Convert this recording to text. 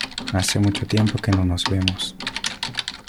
Hace mucho tiempo que no nos vemos.